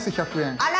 あら。